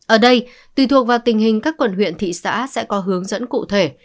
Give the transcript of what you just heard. ở đây tùy thuộc vào tình hình các quần huyện thị xã sẽ có hướng dẫn cụ thể